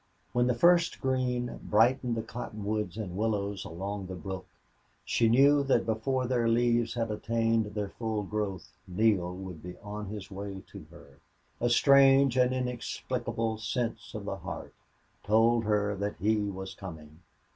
When the first green brightened the cottonwoods and willows along the brook she knew that before their leaves had attained their full growth Neale would be on his way to her. A strange and inexplicable sense of the heart told her that he was coming.